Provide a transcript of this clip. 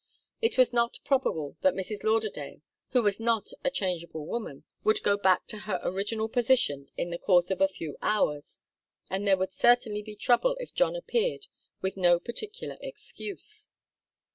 It was not probable that Mrs. Lauderdale, who was not a changeable woman, would go back to her original position in the course of a few hours, and there would certainly be trouble if John appeared with no particular excuse.